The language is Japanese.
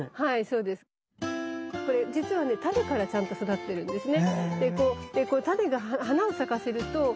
これじつはね種からちゃんと育ってるんですね。